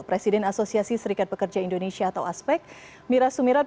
presiden asosiasi serikat pekerja indonesia atau aspek mira sumirat